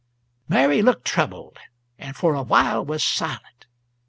Mary looked troubled, and for a while was silent.